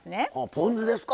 ポン酢ですか？